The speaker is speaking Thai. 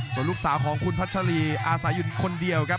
ส่วนลูกสาวของคุณพัชรีอาศัยอยู่คนเดียวครับ